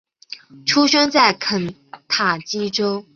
出生在肯塔基州。